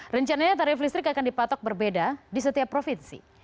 rencananya tarif listrik akan dipatok berbeda di setiap provinsi